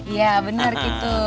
iya benar gitu